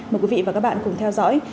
mời quý vị và các bạn cùng theo dõi